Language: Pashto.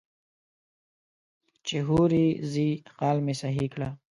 چې هورې ځې خال مې سهي کړه.